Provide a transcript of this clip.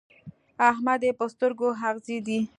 احمد يې په سترګو کې اغزی دی.